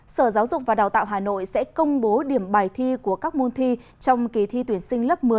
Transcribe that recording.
sở giáo dục và đào tạo hà nội sẽ công bố điểm bài thi của các môn thi trong kỳ thi tuyển sinh lớp một mươi